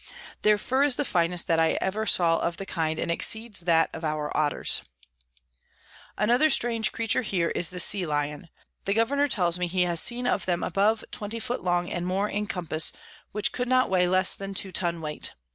Their Fur is the finest that ever I saw of the kind, and exceeds that of our Otters. [Sidenote: In the Road of Juan Fernandez.] Another strange Creature here is the Sea Lion: The Governour tells me he has seen of them above 20 foot long and more in compass, which could not weigh less than two Tun weight.